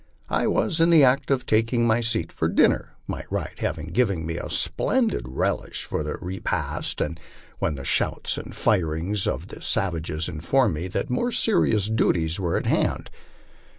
I was in the act of taking my seat for dinner, my ride having given me a splendid relish for the repast, when the shouts and firing of the savages informed me that more serious dmties were at hand.